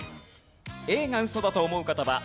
Ａがウソだと思う方は＃